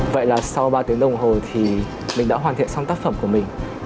vậy là sau ba tiếng đồng hồ thì mình đã hoàn thiện xong tác phẩm của mình